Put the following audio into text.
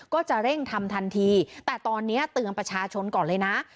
ก็จะเร่งทำทันทีแต่ตอนนี้เตือนประชาชนก่อนเลยนะ